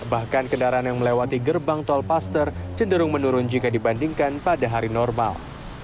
bahkan kendaraan yang melewati gerbang tol paster cenderung menurun jika dibandingkan pada hari normal